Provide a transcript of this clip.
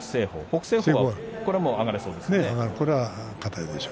北青鵬は上がれそうですね。